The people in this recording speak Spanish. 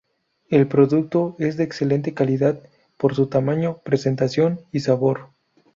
El producto es de excelente calidad por su tamaño, presentación y sabor.